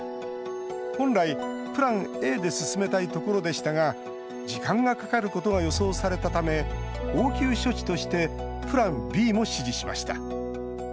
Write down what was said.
本来、プランＡで進めたいところでしたが時間がかかることが予想されたため応急処置としてプランＢも指示しました。